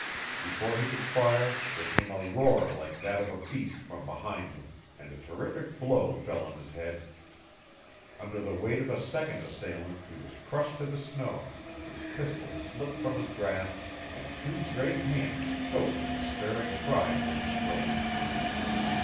Before he could fire there came a roar like that of a beast from behind him and a terrific blow fell on his head. Under the weight of a second assailant he was crushed to the snow, his pistol slipped from his grasp, and two great hands choked a despairing cry from his throat.